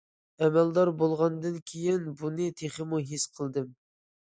ئەمەلدار بولغاندىن كېيىن بۇنى تېخىمۇ ھېس قىلدىم.